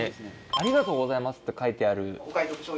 「ありがとうございます」って書いてある。